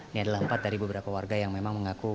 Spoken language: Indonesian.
ini adalah empat dari beberapa warga yang memang mengaku